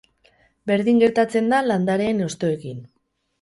Berdin gertatzen da landareen hostoekin.